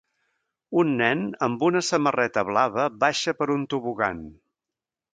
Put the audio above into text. Un nen amb una samarreta blava baixa per un tobogan